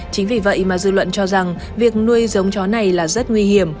chính vì vậy mà dư luận cho rằng việc nuôi giống chó này là rất nguy hiểm